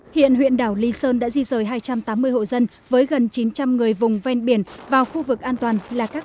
hiện huyện đảo lý sơn đã di rời hai trăm tám mươi hộ dân với gần chín trăm linh người vùng ven biển vào khu vực an toàn là các